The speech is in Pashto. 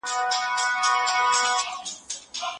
له هر ډول تعصب څخه ځان وژغورئ.